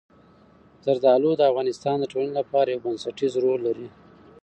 زردالو د افغانستان د ټولنې لپاره یو بنسټيز رول لري.